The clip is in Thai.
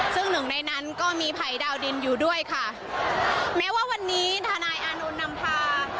ซึ่งหนึ่งในนั้นก็มีภัยดาวดินอยู่ด้วยค่ะแม้ว่าวันนี้ทนายอานนท์นำพา